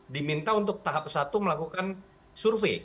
diminta untuk tahap satu melakukan survei